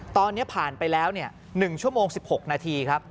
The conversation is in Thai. ตอนนี้ผ่านไปแล้ว๑ชั่วโมง๑๖นาทีครับ